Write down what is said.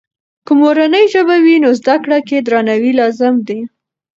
که مورنۍ ژبه وي، نو زده کړې کې درناوی لازم دی.